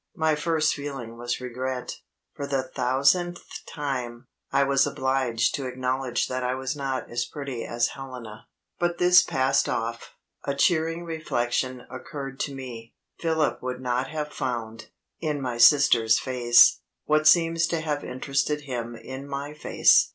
My first feeling was regret. For the thousandth time, I was obliged to acknowledge that I was not as pretty as Helena. But this passed off. A cheering reflection occurred to me. Philip would not have found, in my sister's face, what seems to have interested him in my face.